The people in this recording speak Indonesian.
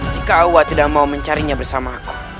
jika allah tidak mau mencarinya bersama aku